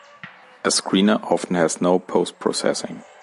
A screener often has no post-processing.